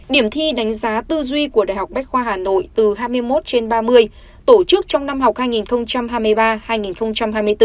điểm thi đánh giá tư duy của đại học bách khoa hà nội từ hai mươi một trên ba mươi tổ chức trong năm học hai nghìn hai mươi ba hai nghìn hai mươi bốn